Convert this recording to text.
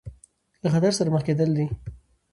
له خطر سره مخ کېدل دي.